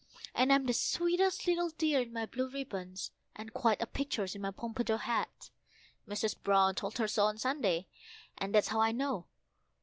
And I'm the sweetest, little dear in my blue ribbons, and quite a picture in my Pompadour hat! Mrs. Brown told her so on Sunday, and that's how I know.